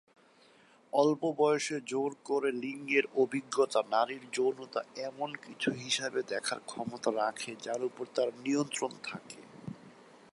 অল্প বয়সে জোর করে লিঙ্গের অভিজ্ঞতা নারীর যৌনতা এমন কিছু হিসাবে দেখার ক্ষমতা রাখে যার উপর তার নিয়ন্ত্রণ থাকে।